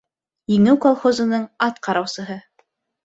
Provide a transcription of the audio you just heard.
«Еңеү» колхозының ат ҡараусыһы.